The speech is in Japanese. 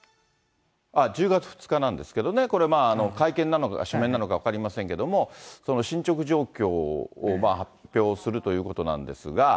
あ、１０月２日なんですけどね、これ、会見なのか謝罪なのか分かりませんけれども、進捗状況を発表するということなんですが。